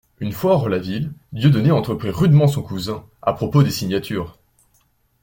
Une fois hors la ville, Dieudonné entreprit rudement son cousin, à propos des signatures.